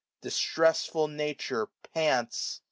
Distressful Nature pants.